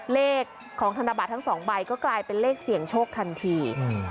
เลขของธนบัตรทั้งสองใบก็กลายเป็นเลขเสี่ยงโชคทันที